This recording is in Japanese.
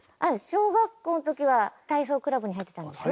小学校の時は体操クラブに入ってたんです。